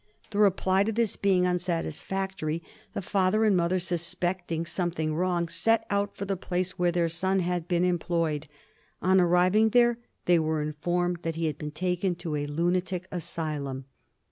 The reply to this being unsatisfactory the father and mother, suspecting something wrong, set out for the place where their son had been employed. On arriving there they were informed that he had been taken to a lunatic asylum.